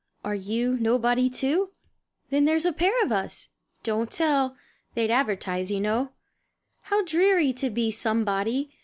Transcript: Are you nobody, too? Then there 's a pair of us don't tell! They 'd banish us, you know. How dreary to be somebody!